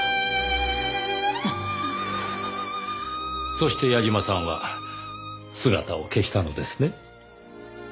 そして矢嶋さんは姿を消したのですね。